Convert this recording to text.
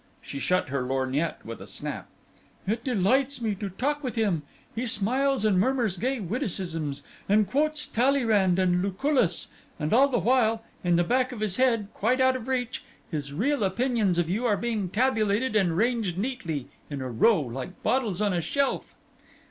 She shut her lorgnette with a snap. "It delights me to talk with him. He smiles and murmurs gay witticisms and quotes Talleyrand and Lucullus, and all the while, in the back of his head, quite out of reach, his real opinions of you are being tabulated and ranged neatly in a row like bottles on a shelf."